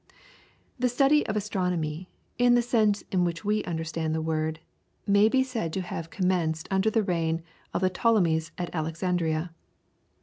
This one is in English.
The study of astronomy, in the sense in which we understand the word, may be said to have commenced under the reign of the Ptolemies at Alexandria.